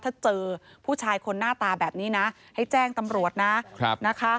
ถ้าเจอผู้ชายคนหน้าตาแบบนี้นะให้แจ้งตำรวจนะนะคะ